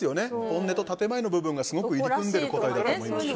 本音と建前の部分がすごく入り組んでいる答えだと思います。